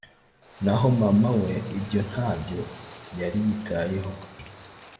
n’aho mama we ibyo ntabyo yari yitayeho